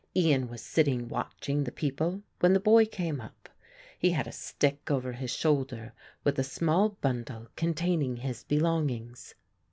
Ian was sitting watching the people, when the boy came up. He had a stick over his shoulder with a small bundle containing his belongings.